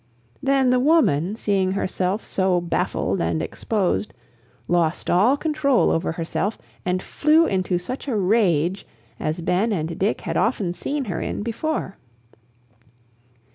Then the woman, seeing herself so baffled and exposed, lost all control over herself and flew into such a rage as Ben and Dick had often seen her in before.